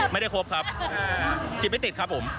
ไม่ได้ครบครับจิตไม่ติดครับผม